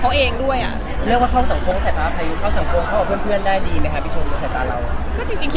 เรื่องว่าเข้าสังพงษ์ใส่ภาพอายุเข้าสังพงษ์เข้ากับเพื่อนได้ดีไหมคะ